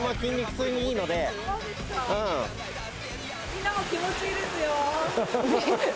みんなも気持ちいいですよ